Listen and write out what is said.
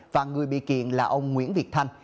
và người bị kiện là ông nguyễn việt thanh